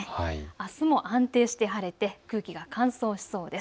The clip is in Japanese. あすも安定して晴れて空気が乾燥しそうです。